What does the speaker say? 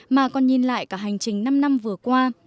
mà còn nhìn lại cả hành trình năm năm vừa qua